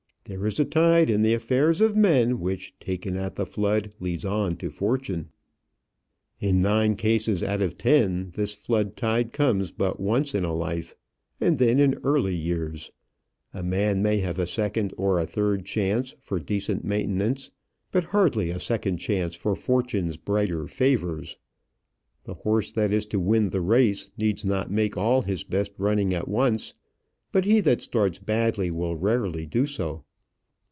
"There is a tide in the affairs of men Which, taken at the flood, leads on to fortune." In nine cases out of ten, this flood tide comes but once in life, and then in early years. A man may have a second or a third chance for decent maintenance, but hardly a second chance for fortune's brighter favours. The horse that is to win the race needs not make all his best running at once; but he that starts badly will rarely do so.